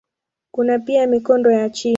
Kuna pia mikondo ya chini.